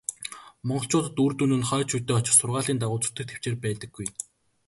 Монголчуудад үр дүн нь хойч үедээ очих сургаалын дагуу зүтгэх тэвчээр байдаггүй.